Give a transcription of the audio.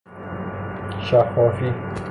شفافی